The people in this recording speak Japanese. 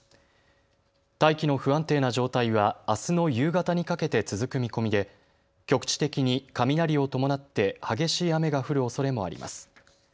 大気の不安定な状態はあすの夕方にかけて続く見込みで局地的に雷を伴って激しい雨が降るおそれもあります。